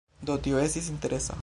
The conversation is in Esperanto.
Do, tio estis interesa.